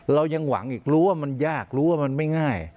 เรายังหวังอีกรู้ว่ามันยากรู้ว่ามันไม่ง่าย